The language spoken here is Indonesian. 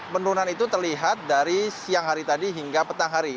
penurunan itu terlihat dari siang hari tadi hingga petang hari